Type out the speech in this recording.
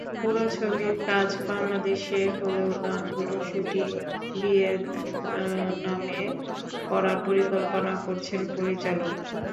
পুরো ছবির কাজ বাংলাদেশে হলেও গানগুলোর শুটিং ভিয়েতনামে করার পরিকল্পনা করছেন পরিচালক।